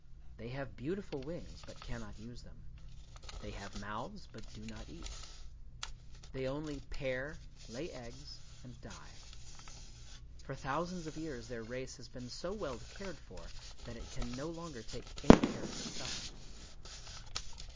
They have beautiful wings, but cannot use them. They have mouths, but do not eat. They only pair, lay eggs, and die. For thousands of years their race has been so well cared for, that it can no longer take any care of itself.